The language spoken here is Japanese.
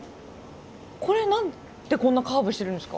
これ何でこんなカーブしてるんですか？